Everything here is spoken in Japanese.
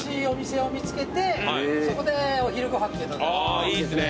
ああいいですね。